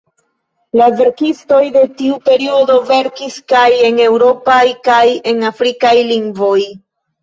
La verkistoj de tiu periodo verkis kaj en eŭropaj kaj en afrikaj lingvoj.